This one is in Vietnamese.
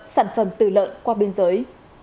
sản phẩm từ lợn qua biên giới